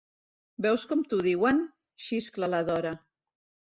Veus com t'ho diuen? —xiscla la Dora—.